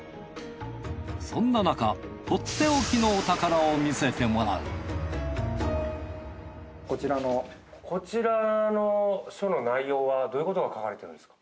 そんななかとっておきのこちらの書の内容はどういうことが書かれてるんですか？